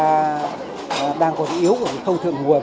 tức là chúng ta đang có những yếu của cái thâu thượng nguồn